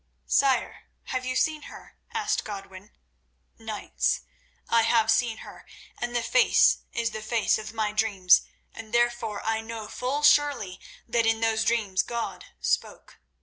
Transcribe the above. "Sire, have you seen her?" asked Godwin. "Knights, I have seen her, and the face is the face of my dreams, and therefore I know full surely that in those dreams God spoke.